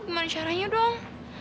gimana caranya dong